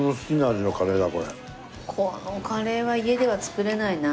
このカレーは家では作れないな。